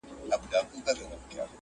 o په پردي پرتاگه ځان نه پټېږي!